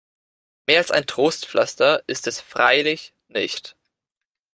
Mehr als ein Trostpflaster ist es freilich nicht.